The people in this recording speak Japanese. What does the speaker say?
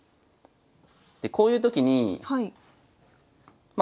でこういうときにまあ